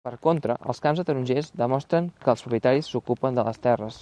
Per contra, els camps de tarongers demostren que els propietaris s'ocupen de les terres.